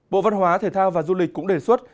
bộ văn hóa thể thao và du lịch cũng đề xuất